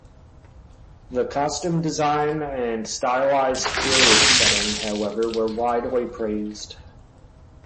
The costume design and stylized period setting however were widely praised.